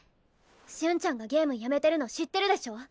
瞬ちゃんがゲームやめてるの知ってるでしょ。